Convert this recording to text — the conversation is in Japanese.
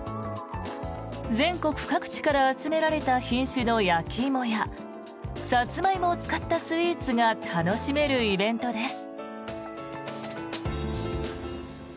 全国各地から集められた品種の焼き芋やサツマイモを使ったスイーツが楽しめるイベントです。